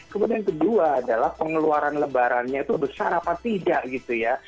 kemudian yang kedua adalah pengeluaran lebarannya itu besar apa tidak gitu ya